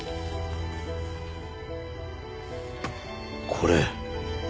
これ。